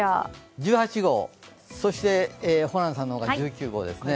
１８号、そしてホランさんの方が１９号ですね。